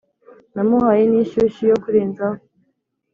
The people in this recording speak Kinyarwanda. Namuhaye n’inshyushyu yo kurenzaho